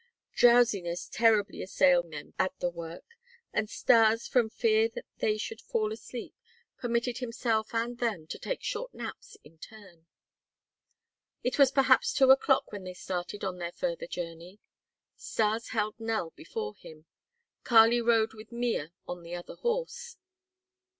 Drowsiness terribly assailed them at the work, and Stas, from fear that they should fall asleep, permitted himself and them to take short naps in turn. It was perhaps two o'clock when they started on their further journey. Stas held Nell before him; Kali rode with Mea on the other horse.